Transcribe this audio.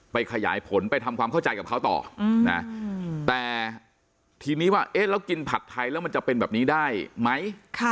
ขยายผลไปทำความเข้าใจกับเขาต่อนะแต่ทีนี้ว่าเอ๊ะแล้วกินผัดไทยแล้วมันจะเป็นแบบนี้ได้ไหม